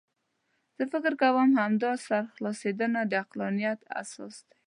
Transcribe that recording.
زه فکر کوم همدا سرخلاصېدنه د عقلانیت اساس دی.